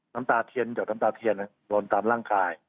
น้ำตาเทียนหยดน้ำตาเทียนโดนตามร่างกาย